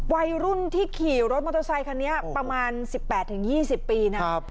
วัยรุ่นที่ขี่รถมอเตอร์ไซคันนี้ประมาณ๑๘๒๐ปีนะ